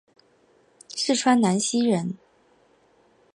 四川南溪人。